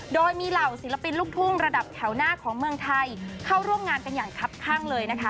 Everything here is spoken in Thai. โดยมีเหล่าศิลปินลูกทุ่งระดับแถวหน้าของเมืองไทยเข้าร่วมงานกันอย่างคับข้างเลยนะคะ